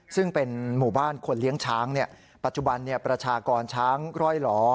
ซึ่งเป็นหมู่บ้านคนเลี้ยงช้างปัจจุบันประชากรช้างร่อยหล่อ